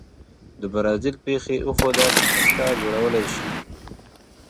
د برازیل پېښې وښوده چې هسته جوړولای شي.